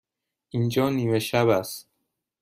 اینجا نیمه شب است.